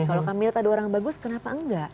kalau kami lihat ada orang bagus kenapa enggak